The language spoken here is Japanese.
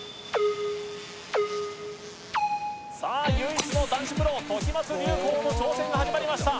唯一の男子プロ、時松隆光の挑戦が始まりました。